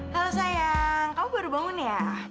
kalau sayang kamu baru bangun ya